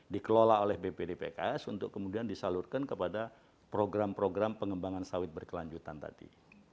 dikelola oleh bpdpks untuk kemudian disalurkan kepada program program pengembangan sawit berkelanjutan tadi